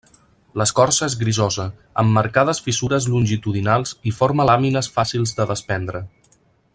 L'escorça és grisosa, amb marcades fissures longitudinals i forma làmines fàcils de despendre.